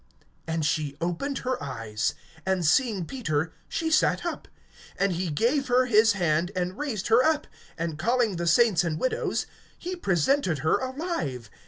And she opened her eyes; and seeing Peter, she sat up. (41)And he gave her his hand, and raised her up; and calling the saints and widows, he presented her alive.